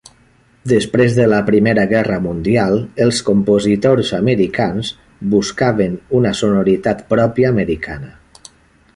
Després de la Primera Guerra Mundial els compositors americans buscaven una sonoritat pròpia americana.